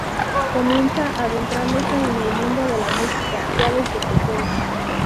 Comienza adentrándose en el mundo de la música ya desde pequeño.